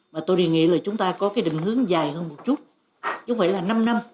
mà tôi đề nghị là chúng ta có cái định hướng dài hơn một chút chứ không phải là năm năm